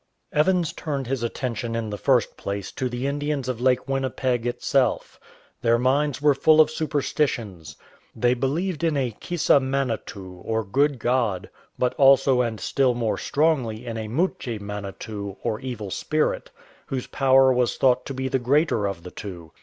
Evans turned his attention in the first place to the Indians of Lake Winnipeg itself. Their minds were full of superstitions. They believed in a Kissa Manetoo or Good God, but also and still more strongly in a Muche Manetoo or Evil Spirit, whose power was thought to be the greater of the tv.o.